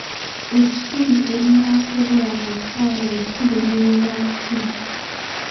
Essubi erinaasobola bw'osula ng'olisibye liwunya ki?